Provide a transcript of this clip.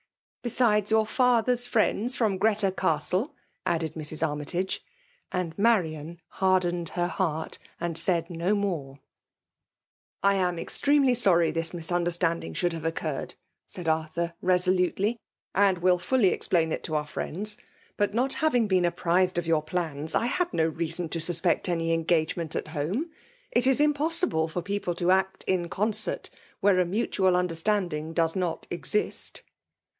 :^ Besides your father's Mends, fiaem Grreta Castle/* added Mrs. Armytage : and Marian burdened her heart* and said no more; ./' I am extremely sorry the misunderataBd^ Uig should have occurred/* said Arthur reso lutely ;'' and will fully ezplaia it to our firiends. But not having been apprised of your plaB8> I had no reason to sitepect any engagement at home. It is imposffible fiw pecqple to act in concert where a mutual ttndsr ■tanding does not subsist.